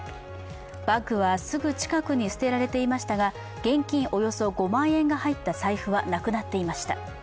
バッグはすぐ近くに捨てられていましたが、現金およそ５万円が入った財布はなくなっていました。